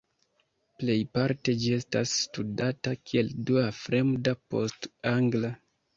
Plejparte ĝi estas studata kiel dua fremda post angla.